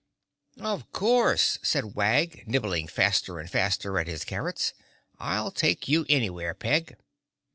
"Of course," said Wag, nibbling faster and faster at his carrots. "I'll take you anywhere, Peg."